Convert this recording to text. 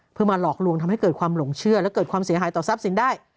เพื่อมาหลอกลวงทำให้เกิดความหลงเชื่อและเกิดความเสียหายต่อทรัพย์สินได้